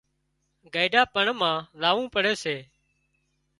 گئيڍا پڻ مان زاوون پڙي سي